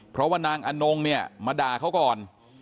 เพราะว่านางอนงเนี่ยมาด่าเขาก่อน